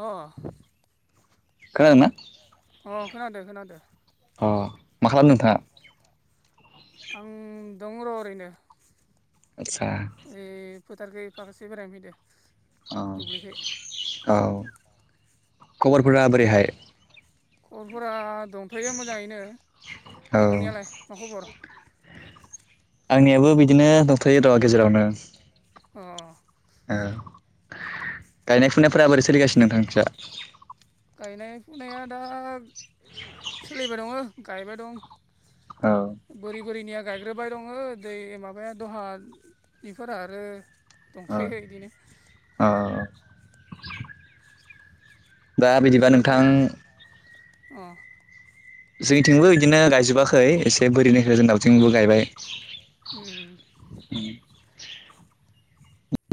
अ अ। खोनादों ना? अ खोनादो खोनादो। अ मा खालामदों नोंथाङा? आं दङ र' ओरैनो। आस्सा। ओइ फोथारखै ओइ फाखोसे बेरायनो फैदों। औ औ खबरफोरा बोरैहाय? खबरफोरा दंथ'यो मोजाङैनो, औ नोंथांनियालाय मा खबर? आंनियाबो बिदिनो दंथ'यो र' गेजेरावनो। ओ ओं गायनाय फुनायफोरा बोरै सोलिगासिनो नोंथां नोंस्रा? गायनाय फुनाया दा सोलिबाय दङ गायबाय दं। औ। बोरै बोरैनिया गायग्रोबाय दङ दै माबाया दहा बिफोर आरो दंथयो बिदिनो। अ औ। दा बिदिबा नोंथां नोंसोरनिथिं? अ जोंनिथिंबो बिदिनो गायजोबाखै उम एसे बोरैनिफ्राय जों दावउथिंबो गायबाय। उम।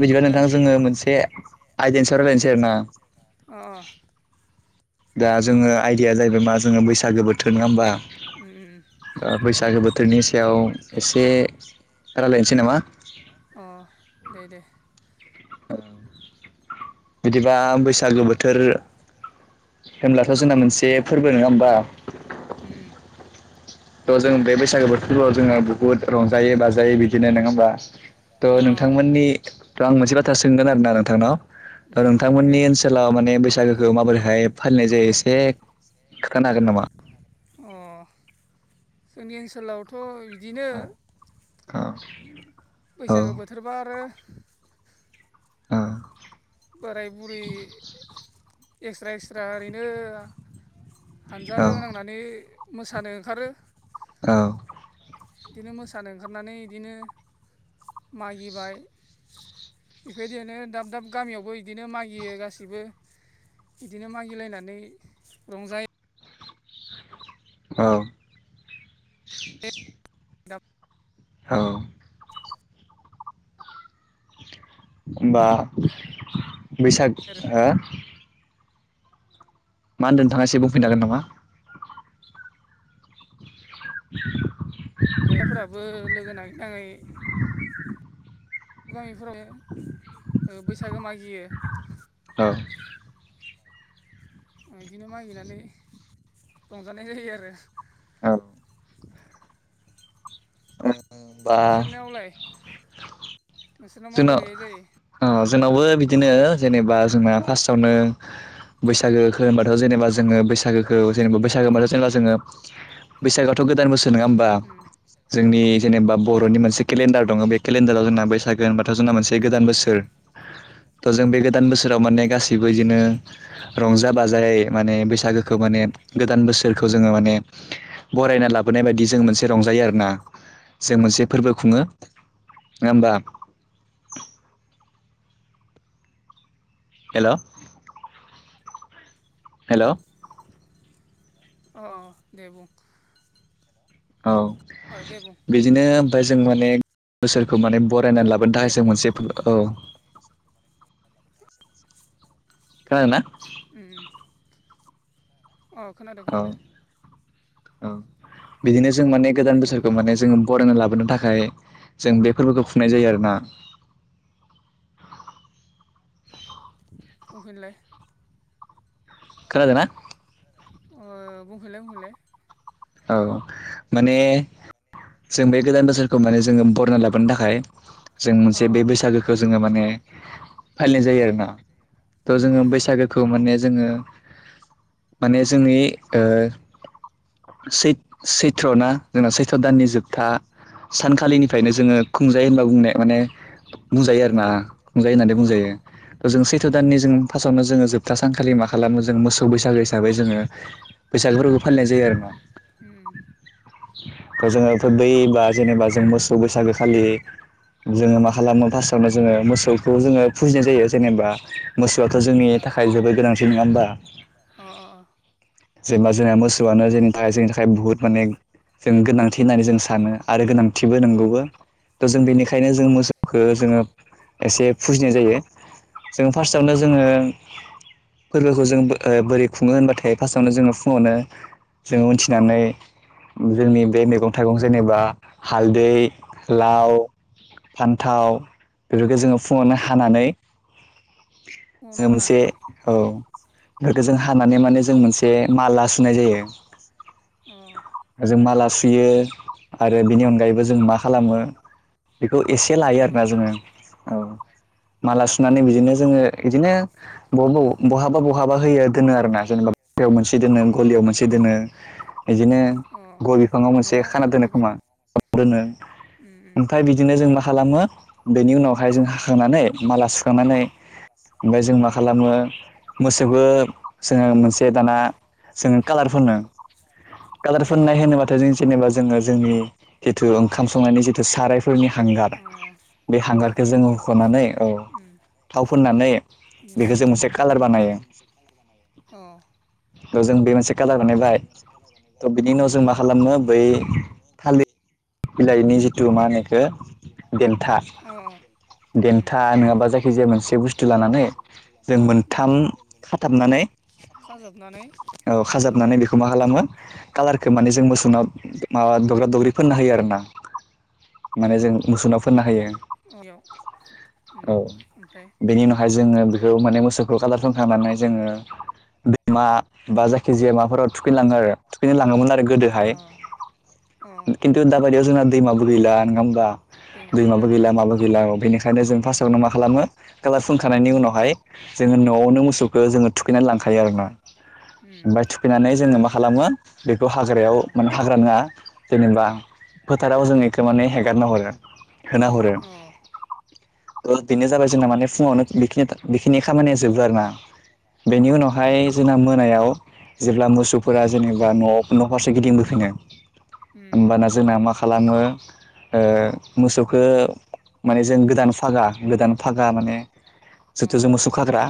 बिदिबा नोंथां जोङो मोनसे आयदानि सायाव रायलायनोसै आरोना अ दा अ। जोङो आयदाया जाहैबाय मा जोङो उम बैसागो बोथोर नङा होमबा उम। ओ बैसागो बोथोरनि सायाव एसे रायलायनोसै नामा? अ दे दे। बिदिबा बैसागो बोथोर होनब्लाथ' जोंना मोनसे फोरबो नंङा होमबा? उ उम। थ जों बेबायदि बैसागो बोथोरफोराव जोंङो बुहुत रंजायो बाजायो बिदिनो नङा होमबा? अ थ' आं नोंथांमोननि थ' आं मोनसे बाथ्रा सोंगोन आरो ना नोंथांनाव। नोंथां थ' दे दे नोंथांमोननि ओनसोलाव माने बैसागोखौ माबोरैहाय फालिनाय जायो एसे खिथानो हागोन नामा? अ जोंनि ओनसोलावथ' बिदिनो औ। औ बैसागो बोथोरबा आरो ओ। बोराय बुरि एक्स्रा एक्स्रा ओरैनो हानजा लोगो नांनानै मोसानो ओंखारो। औ। बिदिनो मोसानो ओंखारनानै बिदिनो मागिबाय बेबायदिनो दाब दाब गामियावबो बिदिनो मागियो गासिबो बिदिनो मागिलायनानै रंजायो औ दाब औ [inaudible] होमबा बैसाग हा मा होनदों नोंथाङ एसे बुंफैनो हागोन नामा [inaudible] ओ फोराबो लोगो नाङै नाङै बां गामिफोराव ओ बैसागो मागियो औ ओ बिदिनो मागिनानै रंजानाय जायो आरो औ [inaudible] नोंसोरनियावलाय नोंसोरनाव जोंनाव माबोरैहाय जायो ओ जोंनावबो बिदिनो जेनेबा जोंना फार्स्टावनो बैसागोखौ होनबाथ' जेनेबा जोङो बैसागोखौ जेनेबा बैसागो होनबाथ' जेनेबा जोङो बैसागआथ' गोदान बोसोर नङा होमबा जोंनि जेबा अ बर'नि मोनसे केलेन्डार दङ बे केलेन्डाराव जोंना बैसाग होनबाथ' जोंना मोनसे गोदान बोसोर थ' जों बे गोदान अ बोसोराव माने गासैबो बिदिनो रंजा बाजायै माने बैसागोखौ माने गोदान बोसोरखौ जोङो माने बरायना लाबोनाय बायदि जों मोनसे रंजायो आरोना जों मोनसे फोरबो खुङो नङा होमबा हेल' [inaudible] हेल' ओ ओ दे बुं औ अ अ दे बुं बिदिनो ओमफ्राय जों माने बोसोरखौ माने बरायनानै हेल' लाबोनो दे थाखाय जों मोनसे बुं फु औ [unintelligible] खोनादोंना ओम ओ खोनादो औ खोनादो औ बिदिनो जों माने दे गोदान बुं बोसोरखौ माने जोङो बरायना लाबोनो थाखाय जों बे फोरबोखौ खुंनाय जायो आरोना बुंफिनलाय खोनादोंना अ बुंफिनलाय बुंफिनलाय औ माने जों बे गोदान बोसोरखौ माने जोङो बरना लाबोनो थाखाय जों अ मोनसे बे बैसागोखौ जोङो माने फालिनाय जायो आरोना थ' जोङो बैसागोखौ माने जोङो माने जोंनि ओ सैत सैथ्र ना जोंना सैथ्र दाननि जोबथा सानखालिनिफ्रायनो जोङो खुंजायो होनबा बुंनाय माने बुंजायो आरो ना खुंजायो होननानै अ बुंजायो जों सैथ' दाननि जों फार्स्टआवनो जोङो जोबथा सानखालि मा खालामो जों मोसौ बैसागो हिसाबै जोङो बैसागोफोरखौबो फालिनाय जायो आरो ना अ अ त जोङो' बेफोर दै बा जेनेबा जों मोसौ बैसागो खालि जोङो मा खालामो फार्स्टआवनो जोङो मोसौखौ जोङो फुजिनाय जायो जेनेबा मोसौआथ' जोंनि थाखाय जोबोद गोनांथि नङा होमबा होमबा जों गोनांथि जेनेबा जोंहा मोसौआ जेन जोंनि थाखाय बुहुत माने जों गोनांथि होननानै जों सानो आरो गोनांथि बो नंगौबो थ' जों नंगौबो बेनिखायनो जों मोसौखौ जोङो एसे फुजिनाय जायो। जों फार्स्टआवनो जोङो फोरबोखौ जों ओ बोरै खुङो होनबाथाय फार्स्टावनो जोङो फुङावनो जों उथिनानै जोंनि बे मैगं थाइगं जेनेबा हालदै, लाव फान्थाव बेफोरखौ जोङो फुङावनो हानानै [unintelligible] औ जों न'आवनो हानानै [unintelligible] हानानै माने जों मोनसे बे माला सुनाय जायो। माला सुनाय जायो। अ ओ जों माला सुयो आरो बेनि अनगायैबो जों मा खालामो बेखौ एसे मा लायो खालामो आरोना जोङो औ। अ माला सुनानै बिदिनो जोङो इदिनो बबाव बबाव बहाबा बहाबा होयो दोनो आरोना जेनेबा याव मोनसे दोनो अ गलियाव मोनसे दोनो। बिदिनो अ गय बिफाङाव मोनसे न'आव खाना दोनो दोनफैबाय खोमा दोनो। उम ओमफाय बिदिनो जों मा खालामो बेनि उनावहाय जों हाखांनानै माला सुखांनानै अ जोबो जोङो मोनसे दाना मोनसे जोङो दाना कालार फोनो जों कालार फोननाय होनो बाथाय जों जेनेबा जोङो जोंनि खेथु ओंखाम संनायनि जिथु साराय फोरनि हांगार बे हांगारखौ जोङो हुख'नानै औ थाव फुननानै बेखौ जों मोनसे कालार उम बानायो। अ थ' जों बे मोनसे कालार बानायबाय थ' बिनि उनाव जों मा खालामनो बै बै थालिर अ अ बिलाइनि जिथु मा होनो बेखौ देन्था उम। देन्था नङाबा था जायखिजाया मोनसे नङाबा बुस्थु जायखिजाया लानानै मोनसे बुस्थु जों लानानै मोनथाम जों मोनथाम खाथाबनानै खाजाबनानै औ खाजाबनानै बेनिफ्राय बेखौ मा खालामो कालारखौ माने जों उम मोसौनाव माबा दब्रा दुब्रि फोनना होयो आरो ना माने जों मोसौनाव फोनना हायो अयाव उम औ ओमफ्राय बेनि उनाव हाय जोङो बेखौ माने मोसौखौ कालार फोनखांनानै जोङो दैमा बा जायखिजाया माबाफोराव थुखैनो उम लाङो आरो थुखैनो लाङोमोन आरो अ गोदोहाय अ। खिन्थु दाबादियाव जोंना दैमाबो गैला नोङा होमबा? दैमाबो गैला माबो गैला औ बेनिखायनो जों फार्स्टआवनो मा खालामो खालार फुनखांनायनि उम उनावहाय जोङो न'आवनो मोसौखो जोङो थुखैनानै लांखायो आरो ना। उम ओमफाय थुखैनानै जोङो मा खालामो बेखौ अ हाग्रायाव माने हाग्रा नङा जेनेबा फोथाराव जों इखौ माने हेगारना हरो होना हरो। अ आदसा ओ बेनो जाबाय जोंना माने ओमफ्राय फुङावनो बेखियाथा बेखिनि खामानिया जोबो आरो ना। बेनि उम उनावहाय मोनायाव जेब्ला मोसौफोरा जेनेबा न'आव न' फारसे गिदिंबोफिनो उम होमबाना जोंना मा खालामो ओ मोसौखो माने जों गोदान फागा गोदान फागा माने अ जुथुजों मोसौ खाग्रा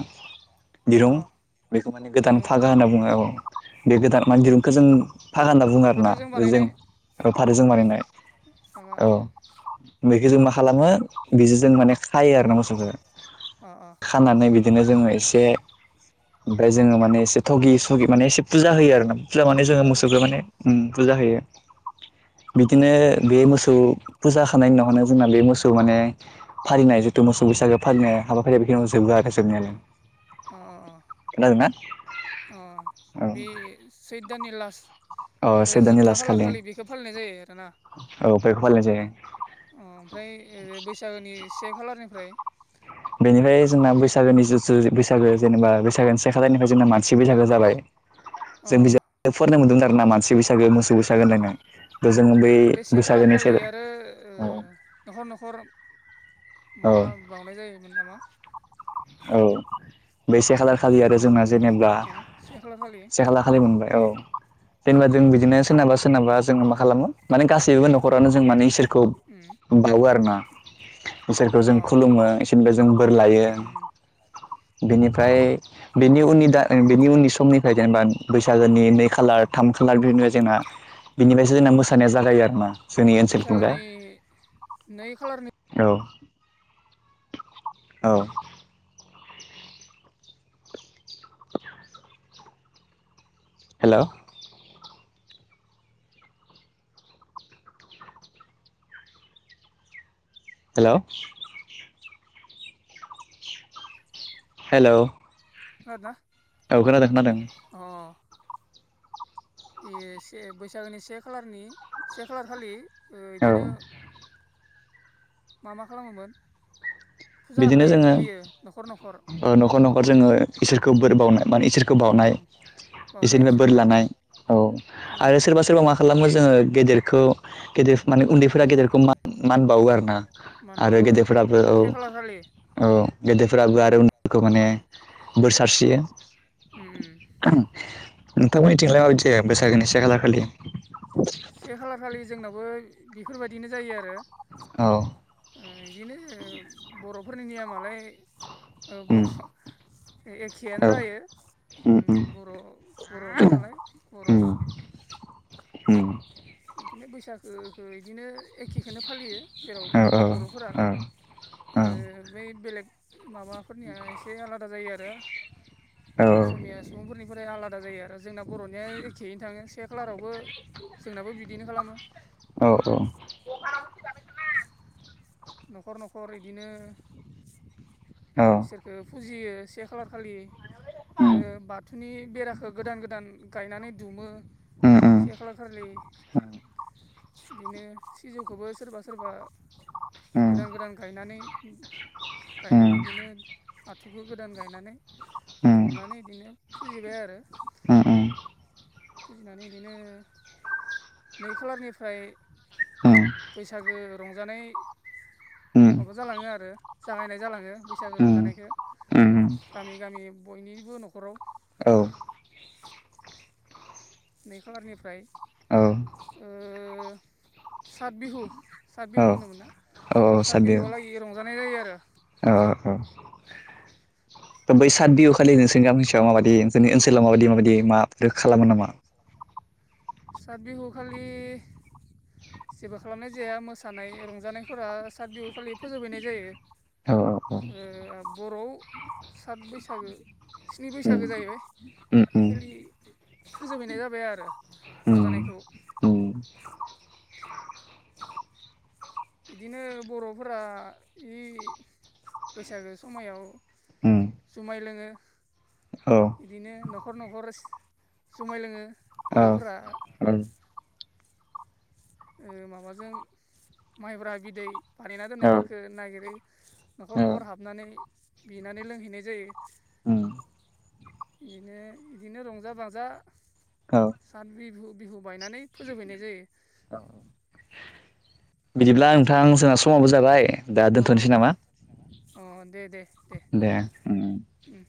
दिरुं अ खौ माने गोदान दिरुं फागा होनना बुङो औ बे गोदान मान उम दिरुंखौ जों फागा होनना बुङो आरोना फाथोजों बे जों फाथोजों बानायनाय। फागा औ उम। बेखौ जों मा खालामो बिजों जों माने खायो आरो ना मोसौखो। अ अ। खानानै बिदिनो जोङो एसे ओमफ्राय जोङो माने एसे थगिुगि माने एसे फुजा होयो आर नाुजा मे फुजा होयो जोङोसौखौ माने फुजा होयो बिदिनो अ बे मोसौ फुजााखानाय उनावनो जोंना बे मोसौ माने फानाय जिथु मोसौ बैसागो फालिनाय हाबाफारिया बेखिनियाव जोबो आरो जोबनायालाय अ खोनादोंना अ बे सैदानि लास औ अ से जोबथा खालार खालि बेखौ फालिनाय जायो आरोोना औफायखौबााय ज अ ओमफ्राय बैसागोनि से खालारनिफ्राय बेनिफ्राय जोंना बैसागोनि जिुथु बैसागो जेनेबा बैसागोनि से खााजारनिफ्राय जोंना मानसि बैसागो जाबाय अ जों बिजाब फरायनाय मोनदोंमोन आरो ना मानसि बैसागो मोस अ बैसागोन [unintelligible] जों बै बे से खालार बैसागोनि खालि आरो [unintelligible] ओ न'खर न'खर औ माबा बावनाय जायोमोन नामा औ बे से खालार खालि आरो ओ जोंना जेनेबा अ से खालार खालि से खाला खालि मोनबाय औ जेनेबा जों बिदिनो सोरनाबा सोरनाबा जों माखा खालामो माने गासैबो न'खरावानो जों माने इसोरखौ बावो आरो ना इसोरखौ अ जों खुलुमो इसोरनिफ्राय जों बोर लायो बेनिफ्राय बेनि उननि दा बेनि उननि समनिफ्राय जेनेबा बैसागोनि नै खालार थाम खालार बिबाय जोंना बिनिफ्रायसो जोंना मोसानाया जागायो आरो ना जोंनि ओनसोलथिंजाय बैसागोनि नै खालारनि औ औ हेल' हेल' हेल' [unintelligible] औ खोनादों खोनादों अ बे से बैसागोनि से खालारनि से खालार खालि औ बिदिनो मा मा खालामोमोन फुजा बिदिनो हो जोङो होयो न'खर न'खर न'खर न'खर जोङो इसोरखौ बोर बावनाय माने इसोरखौ बावनाय उम बावनाय इसोरनिफ्राय बोर इसोरखौ बावो लानाय औ अ आरो सोरबा सोरबा मा खालामो जोङो गेदेरखौ गेदेर माने अ उन्दैफोरा गेदेरखौ मा मान बावो आरो ना मान आरो बावो गेदेरफोराबो औ से खालार खालि औ गेदेरफोर आगुव अ आरो उखौ माने उम बोर सारस्रियो उम नोंथां मिथिंलाय माब ज बैसागोनि से खाला खालि से खालार खालि जोंनावबो बेफोरबायदिनो जायो आरो औ बिदिनो बर'फोरनि नियमालाय उम बर' एखेयानो औ जायो उम बर' बर'सो नालाय बर' ह बिदिनो बैसागोखौ बिदिनो एखेखौो फालियो जेरावबो औ औ औ बर'फोरालाय ओ बै बेलेग माबाफोरनिया एसे आलादा जायो आरो असमिया सुबुंफोरनिफ्राय आलादा जायो आरो जोंना बर'निया एखेयैनो थाङो से खालारावबो जोंनाबो बिदिनो खालामो औ औ न'खर न'खर इदिनो औ इसोर ओ फुजियो से खालार खालि ओ उम बाथौनि बेराखो गोदान गोदान गायनानै दुमो उम से खालार खालि बिदिनो सिजौखौबो सोरबा सोरबा उम उम गोदान गोदान गायनानै गायनानै उम उम इदिनो आथुखौ गोदान गायनानै उम दुमनानै बिदिनो फुजिबाय आरो उम फुजिनानै इदिनो नै खालारनिफ्राय बैसागो रंजानाय माबा जालाङो आरो जाहायनाय जालाङो बैसागो उम रंजानायखो उम उम गामि गामि बयनिबो न'खराव औ नै खालारनिफ्राय औ ओ सात बिहु सात औ बिहु होनोमोन ना? औ सात साथ बिहु बिहुआ लागै रंजानाय जायो आरो औ ओ औ दा बै साद बिउ खालि नोंसनि गामि सायाव माबायदि नोंसोरनि ओनसोलाव माबायि माबायदि माबफोर खालामो नामा? सात बिहु खालि जेबो खालामनाय जाया मोसानाय रंजानायफोरा साथ बिहु खालि फोजोबहैनाय जायो। औ औ औ ओ बर'आव सात बैसागो स्नि उम बैसागो जाहैबाय उम इखलि फोजोबहैनाय जाबाय आरो उम रंजानायखौ उम उम इदिनो बर'फोरा इ बैसागो समायाव उम जुमाय लोङो औ इदिनो न'खर न'खर जुमाय लोङो औ बर'फोरा औ ओ माबाजों माइब्रा बिदै बानायना औ दोननायफोरखो नागिरै औ न'खर न'खर हाबनानै बिनानै लोंहैनाय जायो उम बिदिनो बिदिनो रंजा बाजा औ साथ बिबु बिहु बायनानै फोजोबहैनाय जायो। बिदिब्ला नोंथां जोंना समाबबो जाबाय दा अ दोन्थ'नोसै नामा? अ दे दे दे उ